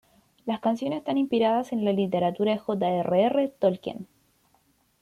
Las canciones están inspiradas en la literatura de J. R. R. Tolkien.